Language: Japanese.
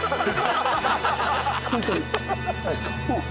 本当にマジですか？